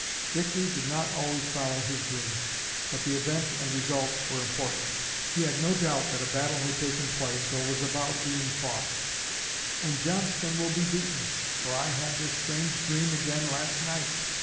Victory did not always follow his dream, but the event and results were important. He had no doubt that a battle had taken place or was about being fought, 'and Johnston will be beaten, for I had this strange dream again last night.